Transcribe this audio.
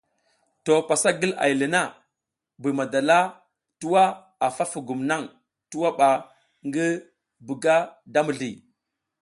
To pasa ngil ay le na, Buy madala twa a fa fugum naŋ twa ɓa ngi buga da mizli.